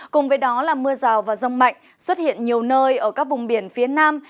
cùng với đó là mưa rào và rông mạnh xuất hiện nhiều nơi ở các vùng biển phía nam